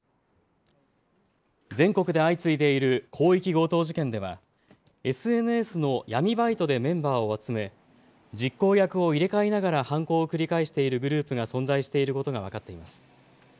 全国で相次いでいる広域強盗事件ではＳＮＳの闇バイトでメンバーを集め実行役を入れ替えながら犯行を繰り返しているグループが存在していることが分かっています。